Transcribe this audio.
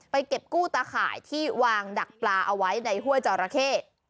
เก็บกู้ตาข่ายที่วางดักปลาเอาไว้ในห้วยจอราเข้